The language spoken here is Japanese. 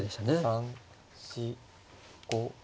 ３４５。